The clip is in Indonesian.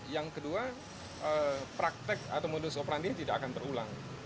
yang kedua praktek atau modus operandi tidak akan terulang